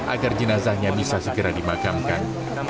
agar jenazahnya bisa segera dimakamkan